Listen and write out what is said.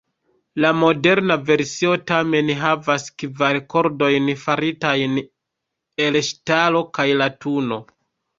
La moderna versio tamen havas kvar kordojn faritajn el ŝtalo kaj latuno.